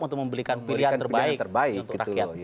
untuk membelikan pilihan terbaik membelikan pilihan terbaik